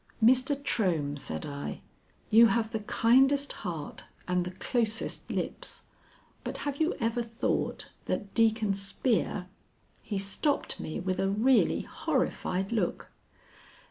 "Mr. Trohm," said I, "you have the kindest heart and the closest lips, but have you ever thought that Deacon Spear " He stopped me with a really horrified look.